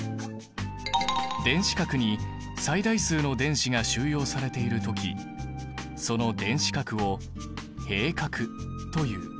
電子殻に最大数の電子が収容されている時その電子殻を閉殻という。